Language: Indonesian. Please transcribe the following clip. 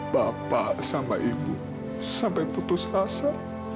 bapak sama ibu sampai putus asa